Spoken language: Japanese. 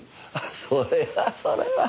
それはそれは。